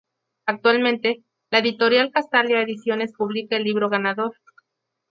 Actualmente, la editorial Castalia Ediciones publica el libro ganador.